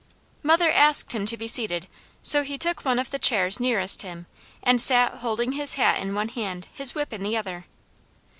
Mother asked him to be seated, so he took one of the chairs nearest him, and sat holding his hat in one hand, his whip in the other.